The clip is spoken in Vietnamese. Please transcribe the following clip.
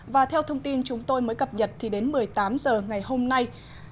và theo thông tin chúng tôi mới cập nhật thì đến một mươi tám h ngày hôm nay